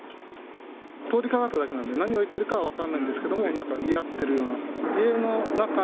通りかかっただけなんで、何を言ってるかは分からないんですけど、なんか言い合ってるような。